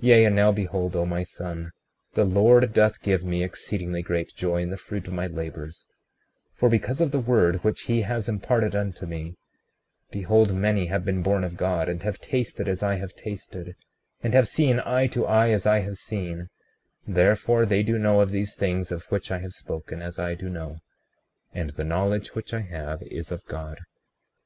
36:25 Yea, and now behold, O my son, the Lord doth give me exceedingly great joy in the fruit of my labors; 36:26 For because of the word which he has imparted unto me, behold, many have been born of God, and have tasted as I have tasted, and have seen eye to eye as I have seen; therefore they do know of these things of which I have spoken, as I do know; and the knowledge which I have is of God.